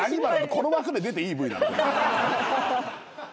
この枠で出ていいＶなの？